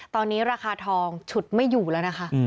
ตอนนี้ราคาทองฉุดไม่อยู่แล้วนะคะ